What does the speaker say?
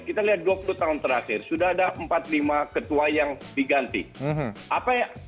kita lihat dua puluh tahun terakhir sudah ada empat puluh lima ketua yang diganti